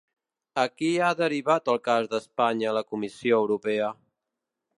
A qui ha derivat el cas d'Espanya la Comissió Europea?